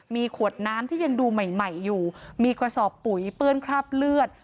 มีขวดน้ำที่ยังดูใหม่ใหม่อยู่มีกระสอบปุ๋ยเปื้อนคราบเลือด